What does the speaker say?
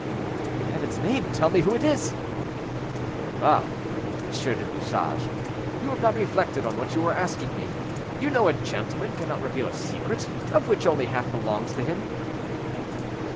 "In Heaven's name tell me who it is!" "Ah! M. du Bouchage, you have not reflected on what you are asking me; you know a gentleman cannot reveal a secret, of which only half belongs to him."